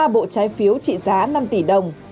ba bộ trái phiếu trị giá năm tỷ đồng